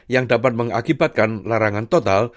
yang dapat mengakibatkan larangan total